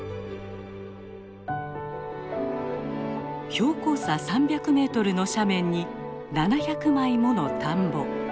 標高差３００ｍの斜面に７００枚もの田んぼ。